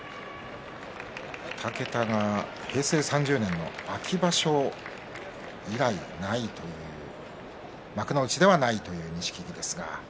２桁が平成３０年の秋場所以来幕内ではないということです。